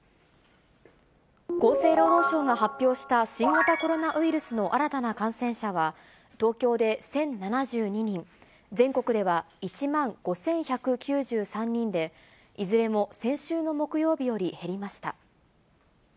厚生労働省が発表した新型コロナウイルスの新たな感染者は、東京で１０７２人、全国では１万５１９３人で、いずれも先週の木曜日より減りました。